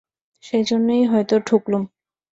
সেইজন্যেই হয়তো ঠকলুম।